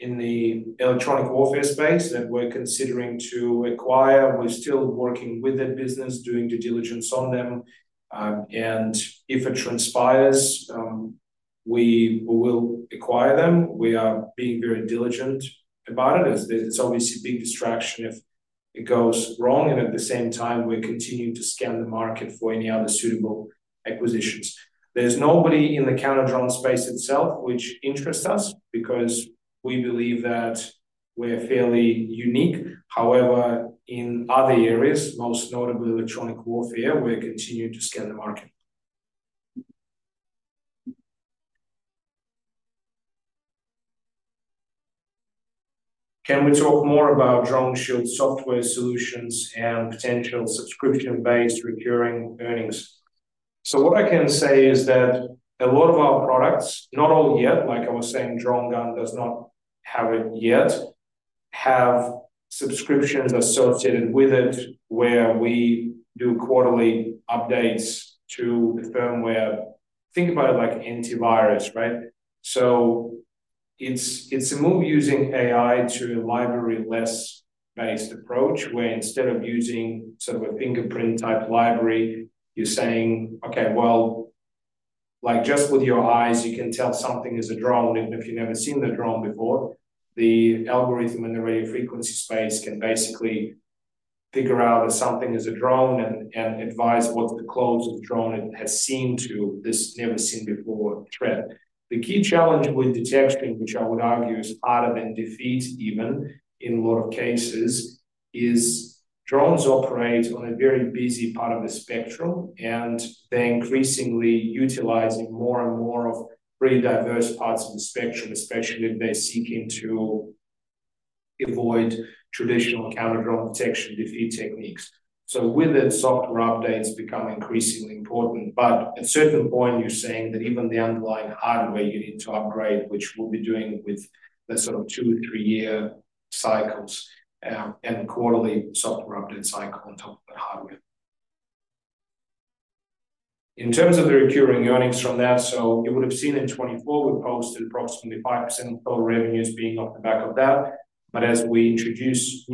in the electronic warfare space that we're considering to acquire. We're still working with that business, doing due diligence on them. And if it transpires, we will acquire them. We are being very diligent about it. It's obviously a big distraction if it goes wrong. And at the same time, we're continuing to scan the market for any other suitable acquisitions. There's nobody in the Counter-Drone space itself which interests us because we believe that we're fairly unique. However, in other areas, most notably electronic warfare, we're continuing to scan the market. Can we talk more about DroneShield software solutions and potential subscription-based recurring earnings? So what I can say is that a lot of our products, not all yet, like I was saying, DroneGun does not have it yet, have subscriptions associated with it where we do quarterly updates to the firmware. Think about it like antivirus, right? So it's a move using AI to a library-less-based approach where instead of using sort of a fingerprint-type library, you're saying, "Okay, well, just with your eyes, you can tell something is a drone even if you've never seen the drone before." The algorithm in the radio frequency space can basically figure out if something is a drone and advise what the class of the drone has seen to this never-seen-before threat. The key challenge with detection, which I would argue is harder than defeat even in a lot of cases, is drones operate on a very busy part of the spectrum, and they're increasingly utilizing more and more of very diverse parts of the spectrum, especially if they're seeking to avoid traditional Counter-Drone detection defeat techniques. So with it, software updates become increasingly important. But at a certain point, you're saying that even the underlying hardware you need to upgrade, which we'll be doing with the sort of two or three-year cycles and quarterly software update cycle on top of the hardware. In terms of the recurring earnings from that, so you would have seen in 2024, we posted approximately 5% of total revenues being off the back of that. But as we introduce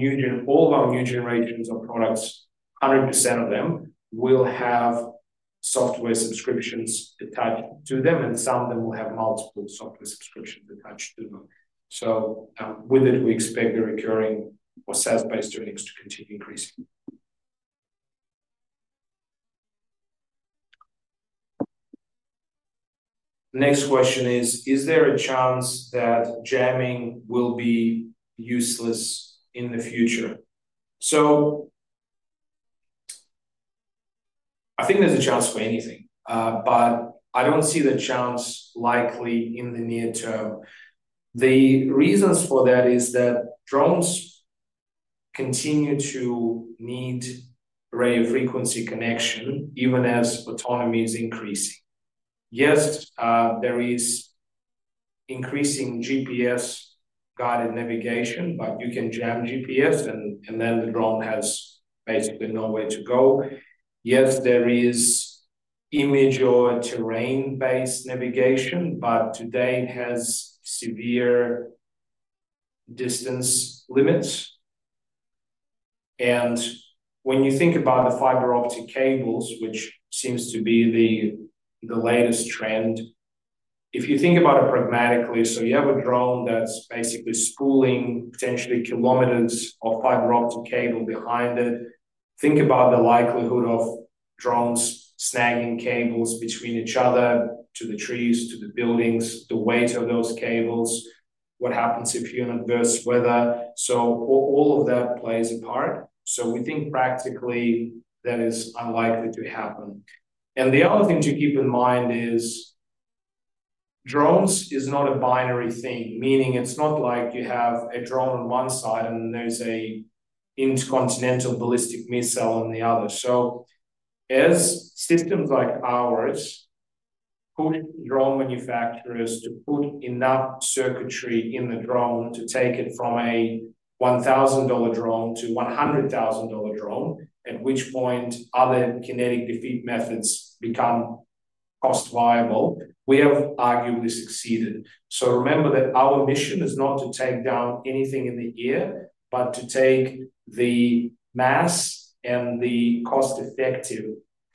all of our new generations of products, 100% of them will have software subscriptions attached to them, and some of them will have multiple software subscriptions attached to them. So with it, we expect the recurring or SaaS-based earnings to continue increasing. Next question is, is there a chance that jamming will be useless in the future? So I think there's a chance for anything, but I don't see the chance likely in the near-term. The reasons for that is that drones continue to need radio frequency connection even as autonomy is increasing. Yes, there is increasing GPS-guided navigation, but you can jam GPS, and then the drone has basically nowhere to go. Yes, there is image or terrain-based navigation, but today it has severe distance limits. And when you think about the fiber-optic cables, which seems to be the latest trend, if you think about it pragmatically, so you have a drone that's basically spooling potentially kilometers of fiber-optic cable behind it. Think about the likelihood of drones snagging cables between each other to the trees, to the buildings, the weight of those cables, what happens if you're in adverse weather. So all of that plays a part. So we think practically that is unlikely to happen. And the other thing to keep in mind is drones is not a binary thing, meaning it's not like you have a drone on one side and there's an intercontinental ballistic missile on the other. As systems like ours push drone manufacturers to put enough circuitry in the drone to take it from a 1,000 dollar drone to a 100,000 dollar drone, at which point other kinetic defeat methods become cost viable, we have arguably succeeded. Remember that our mission is not to take down anything in the air, but to take the mass and the cost-effective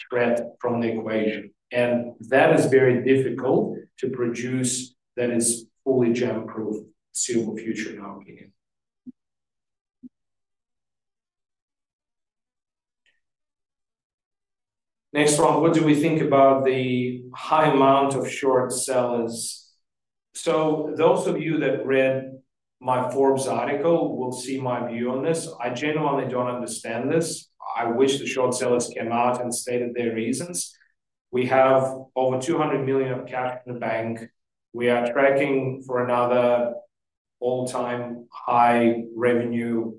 threat from the equation. That is very difficult to produce that is fully jam-proof, suitable for the future in our opinion. Next one, what do we think about the high amount of short sellers? Those of you that read my Forbes article will see my view on this. I genuinely don't understand this. I wish the short sellers came out and stated their reasons. We have over 200 million of cash in the bank. We are tracking for another all-time high revenue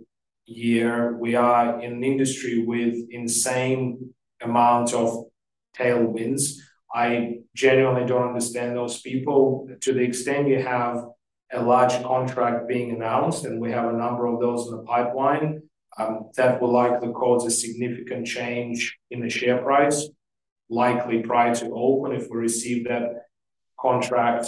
year. We are in an industry with insane amounts of tailwinds. I genuinely don't understand those people to the extent you have a large contract being announced, and we have a number of those in the pipeline that will likely cause a significant change in the share price, likely prior to open if we receive that contract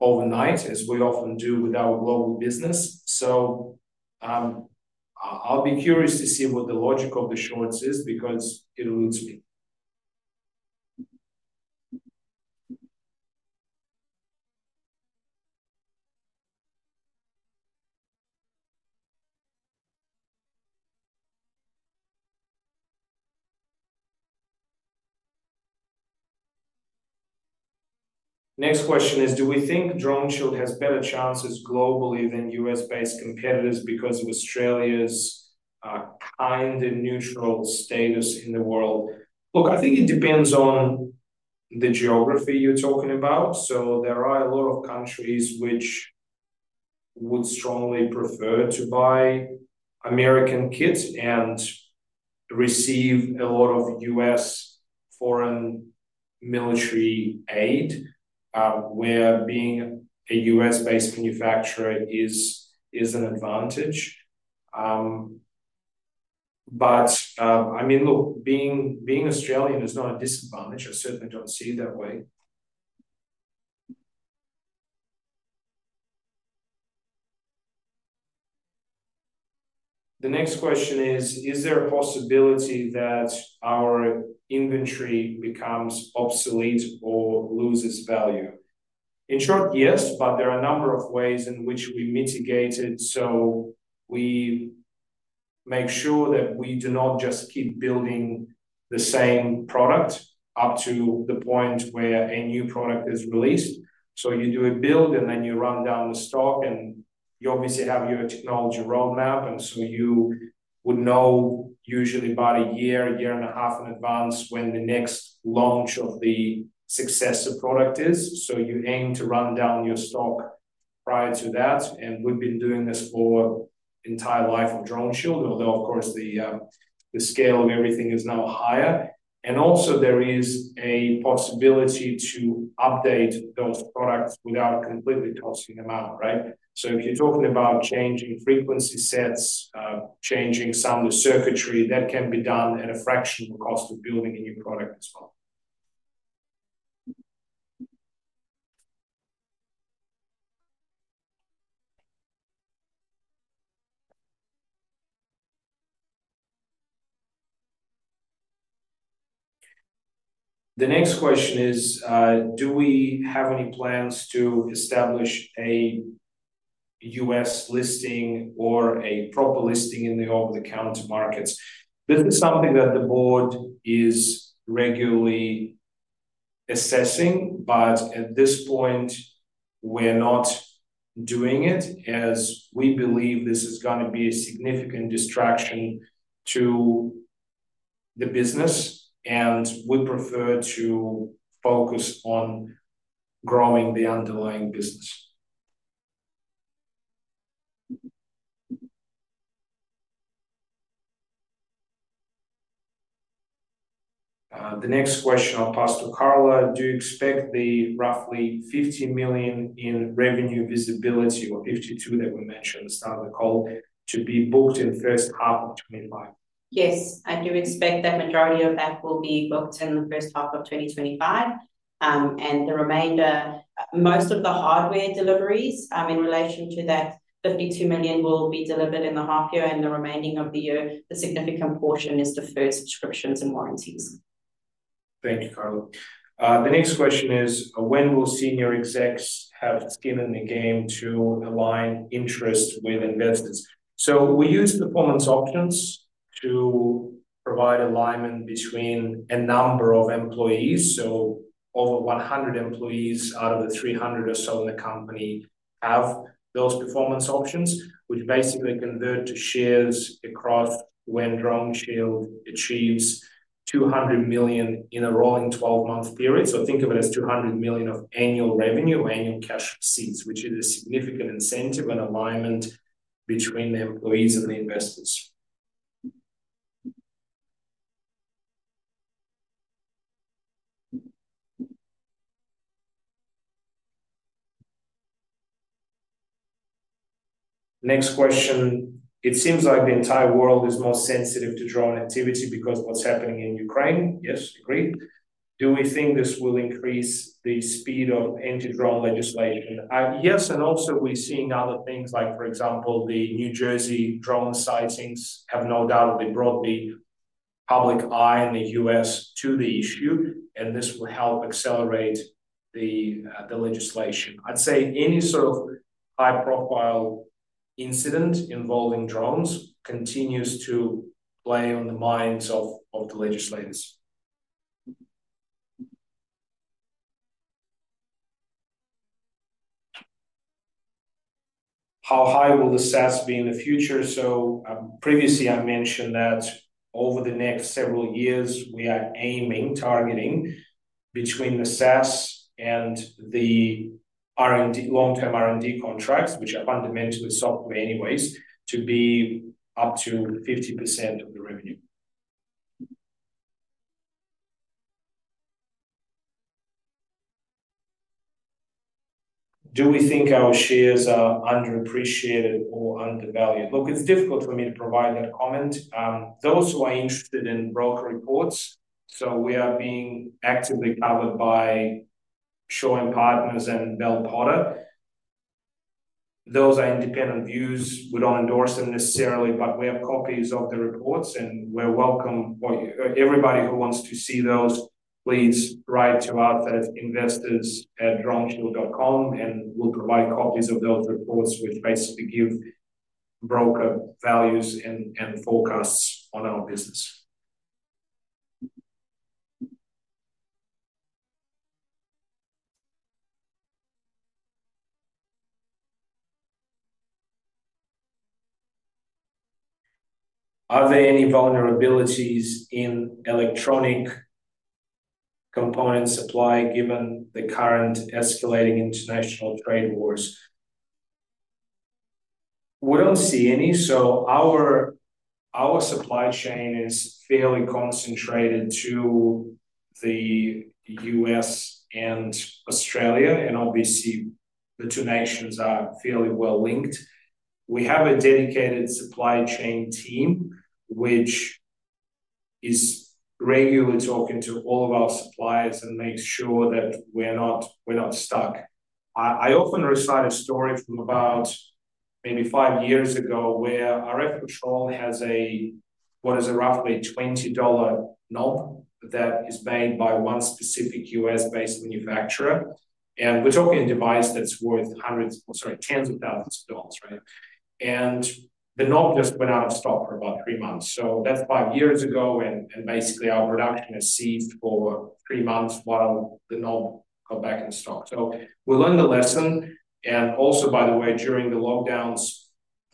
overnight, as we often do with our global business. So I'll be curious to see what the logic of the shorts is because it eludes me. Next question is, do we think DroneShield has better chances globally than U.S.-based competitors because of Australia's kind and neutral status in the world? Look, I think it depends on the geography you're talking about. So there are a lot of countries which would strongly prefer to buy American kits and receive a lot of U.S. foreign military aid, where being a U.S.-based manufacturer is an advantage. But I mean, look, being Australian is not a disadvantage. I certainly don't see it that way. The next question is, is there a possibility that our inventory becomes obsolete or loses value? In short, yes, but there are a number of ways in which we mitigate it. So we make sure that we do not just keep building the same product up to the point where a new product is released. So you do a build, and then you run down the stock, and you obviously have your technology roadmap. And so you would know usually about a year, a year and a half in advance when the next launch of the successor product is. So you aim to run down your stock prior to that. And we've been doing this for the entire life of DroneShield, although, of course, the scale of everything is now higher. And also, there is a possibility to update those products without completely tossing them out, right? So if you're talking about changing frequency sets, changing some of the circuitry, that can be done at a fraction of the cost of building a new product as well. The next question is, do we have any plans to establish a U.S. listing or a proper listing in the over-the-counter markets? This is something that the board is regularly assessing, but at this point, we're not doing it as we believe this is going to be a significant distraction to the business, and we prefer to focus on growing the underlying business. The next question I'll pass to Carla. Do you expect the roughly 50 million in revenue visibility, or 52 million that we mentioned at the start of the call, to be booked in the first half of 2025? Yes. I do expect that majority of that will be booked in the first half of 2025. The remainder, most of the hardware deliveries in relation to that 52 million will be delivered in the half year and the remaining of the year. The significant portion is deferred subscriptions and warranties. Thank you, Carla. The next question is, when will senior execs have skin in the game to align interest with investments? We use performance options to provide alignment between a number of employees. Over 100 employees out of the 300 or so in the company have those performance options, which basically convert to shares across when DroneShield achieves 200 million in a rolling 12-month period. Think of it as 200 million of annual revenue or annual cash receipts, which is a significant incentive and alignment between the employees and the investors. Next question. It seems like the entire world is more sensitive to drone activity because of what's happening in Ukraine. Yes, agree. Do we think this will increase the speed of anti-drone legislation? Yes. And also, we're seeing other things like, for example, the New Jersey drone sightings have no doubt brought the public eye in the U.S. to the issue, and this will help accelerate the legislation. I'd say any sort of high-profile incident involving drones continues to play on the minds of the legislators. How high will the SaaS be in the future? So previously, I mentioned that over the next several years, we are aiming, targeting between the SaaS and the long-term R&D contracts, which are fundamentally software anyways, to be up to 50% of the revenue. Do we think our shares are underappreciated or undervalued? Look, it's difficult for me to provide that comment. Those who are interested in broker reports, so we are being actively covered by Shaw and Partners and Bell Potter. Those are independent views. We don't endorse them necessarily, but we have copies of the reports, and we're welcome. Everybody who wants to see those, please write to us at investors@droneshield.com, and we'll provide copies of those reports, which basically give broker values and forecasts on our business. Are there any vulnerabilities in electronic component supply given the current escalating international trade wars? We don't see any. Our supply chain is fairly concentrated to the U.S. and Australia, and obviously, the two nations are fairly well linked. We have a dedicated supply chain team, which is regularly talking to all of our suppliers and makes sure that we're not stuck. I often recite a story from about maybe five years ago where our RF control has what is a roughly 20 dollar knob that is made by one specific U.S.-based manufacturer, and we're talking a device that's worth hundreds or, sorry, tens of thousands of dollars, right? And the knob just went out of stock for about three months, so that's five years ago, and basically, our production has ceased for three months while the knob got back in stock, so we learned the lesson, and also, by the way, during the lockdowns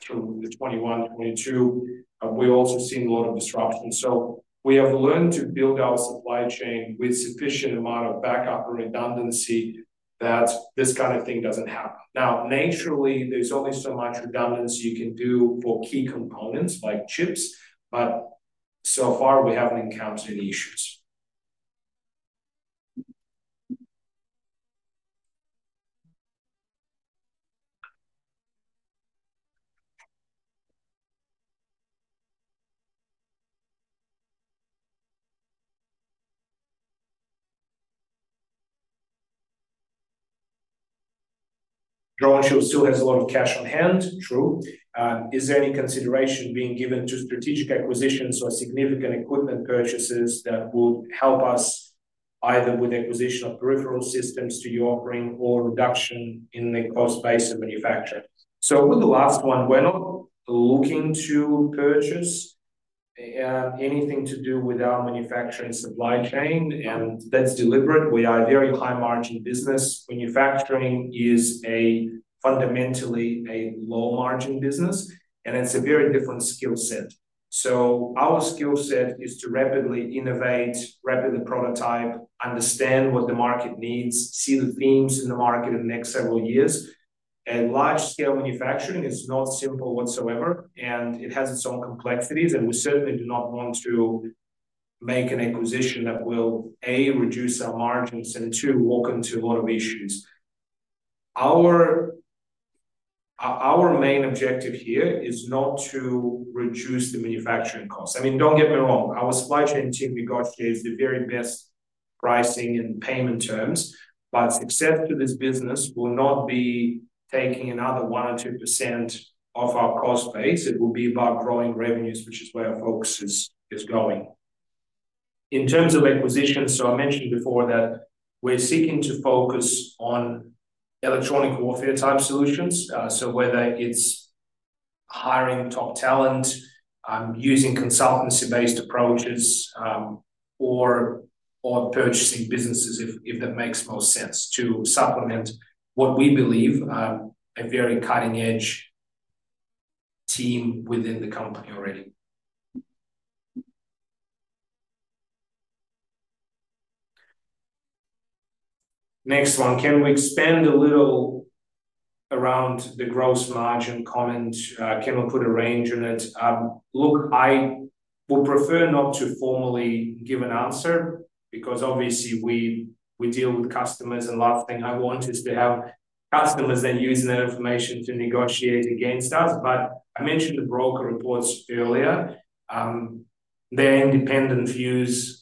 through the 2021, 2022, we've also seen a lot of disruption, so we have learned to build our supply chain with a sufficient amount of backup and redundancy that this kind of thing doesn't happen. Now, naturally, there's only so much redundancy you can do for key components like chips, but so far, we haven't encountered any issues. DroneShield still has a lot of cash on hand, true. Is there any consideration being given to strategic acquisitions or significant equipment purchases that would help us either with the acquisition of peripheral systems to your offering or reduction in the cost base of manufacturing? So with the last one, we're not looking to purchase anything to do with our manufacturing supply chain, and that's deliberate. We are a very high-margin business. Manufacturing is fundamentally a low-margin business, and it's a very different skill set. So our skill set is to rapidly innovate, rapidly prototype, understand what the market needs, see the themes in the market in the next several years. Large-scale manufacturing is not simple whatsoever, and it has its own complexities, and we certainly do not want to make an acquisition that will, A, reduce our margins and, two, walk into a lot of issues. Our main objective here is not to reduce the manufacturing costs. I mean, don't get me wrong. Our supply chain team regards today as the very best pricing and payment terms, but success to this business will not be taking another one or 2% of our cost base. It will be about growing revenues, which is where our focus is going. In terms of acquisition, so I mentioned before that we're seeking to focus on electronic warfare-type solutions. So whether it's hiring top talent, using consultancy-based approaches, or purchasing businesses, if that makes more sense, to supplement what we believe a very cutting-edge team within the company already. Next one. Can we expand a little around the gross margin comment? Can we put a range in it? Look, I would prefer not to formally give an answer because, obviously, we deal with customers, and the last thing I want is to have customers then using that information to negotiate against us. But I mentioned the broker reports earlier. They're independent views.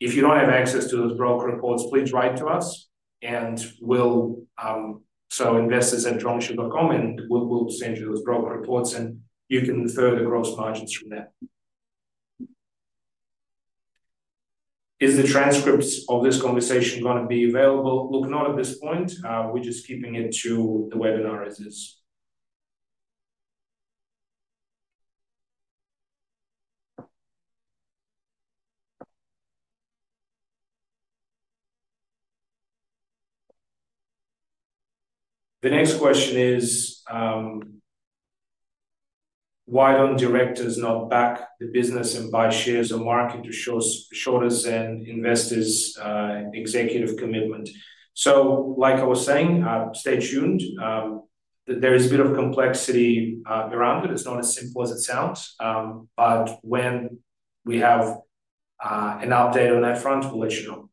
If you don't have access to those broker reports, please write to us. And so investors@DroneShield.com, and we'll send you those broker reports, and you can derive the gross margins from there. Is the transcript of this conversation going to be available? Look, not at this point. We're just keeping it to the webinar as is. The next question is, why don't directors back the business and buy shares on the market to show us and investors' executive commitment? So, like I was saying, stay tuned. There is a bit of complexity around it. It's not as simple as it sounds. But when we have an update on that front, we'll let you know.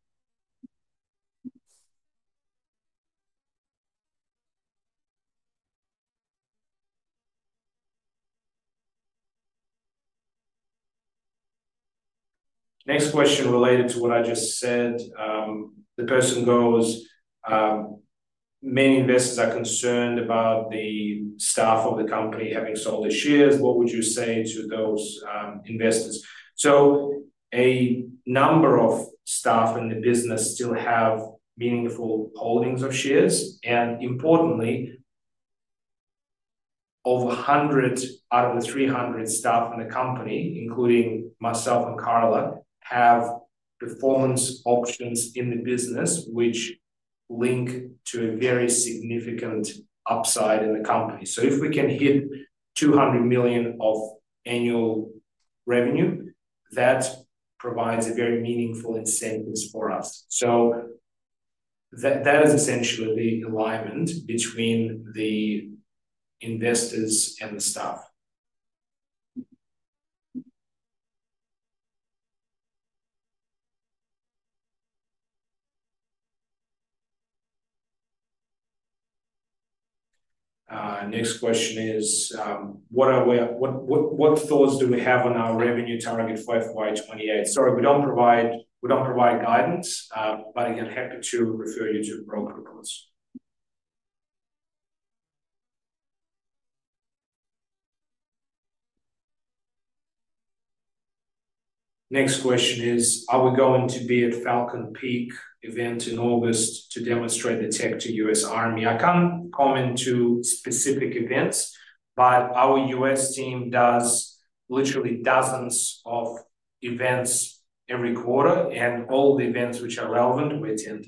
Next question related to what I just said. The person goes, "Many investors are concerned about the staff of the company having sold their shares. What would you say to those investors?" So a number of staff in the business still have meaningful holdings of shares. And importantly, over 100 out of the 300 staff in the company, including myself and Carla, have performance options in the business, which link to a very significant upside in the company. So if we can hit 200 million of annual revenue, that provides a very meaningful incentive for us. So that is essentially the alignment between the investors and the staff. Next question is, what thoughts do we have on our revenue target for FY 2028? Sorry, we don't provide guidance, but again, happy to refer you to broker reports. Next question is, are we going to be at Falcon Peak event in August to demonstrate the tech to U.S. Army? I can't comment to specific events, but our U.S. team does literally dozens of events every quarter, and all the events which are relevant, we attend.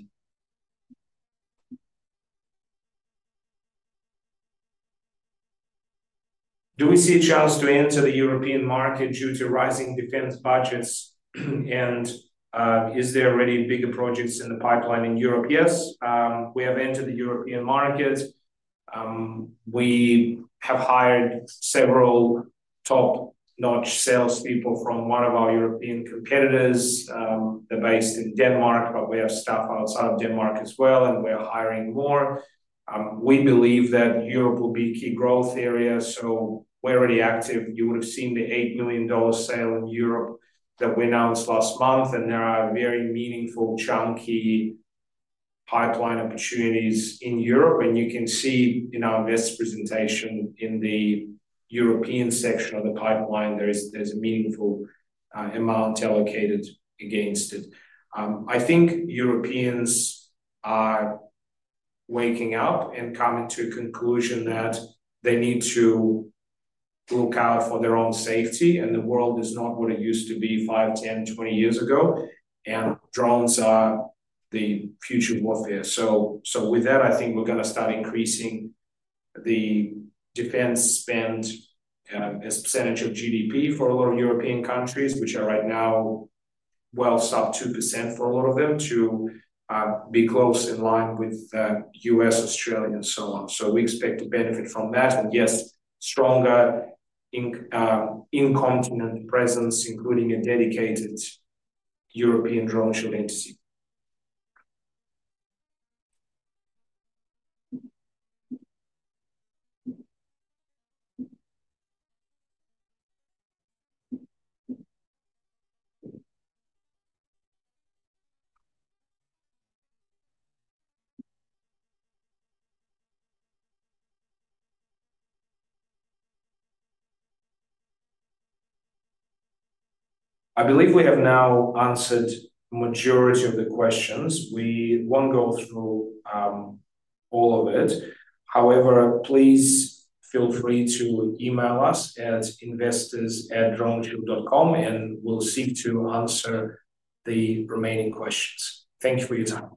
Do we see a chance to enter the European market due to rising defense budgets? And is there already bigger projects in the pipeline in Europe? Yes. We have entered the European market. We have hired several top-notch salespeople from one of our European competitors. They're based in Denmark, but we have staff outside of Denmark as well, and we're hiring more. We believe that Europe will be a key growth area. So we're already active. You would have seen the 8 million dollar sale in Europe that we announced last month, and there are very meaningful, chunky pipeline opportunities in Europe. You can see in our investor presentation in the European section of the pipeline. There's a meaningful amount allocated against it. I think Europeans are waking up and coming to a conclusion that they need to look out for their own safety, and the world is not what it used to be five, 10, 20 years ago, and drones are the future warfare. With that, I think we're going to start increasing the defense spend as a percentage of GDP for a lot of European countries, which are right now well sub 2% for a lot of them, to be close in line with U.S., Australia, and so on. We expect to benefit from that. Yes, stronger in-continent presence, including a dedicated European DroneShield entity. I believe we have now answered the majority of the questions. We won't go through all of it. However, please feel free to email us at investors@DroneShield.com, and we'll seek to answer the remaining questions. Thank you for your time.